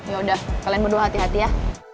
yaudah kalian berdua hati hati ya